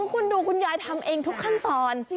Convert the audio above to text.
คุณดูคุณยายทำเองทุกขั้นตอน